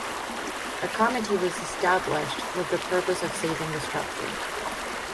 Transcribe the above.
A committee was established with the purpose of saving the structure.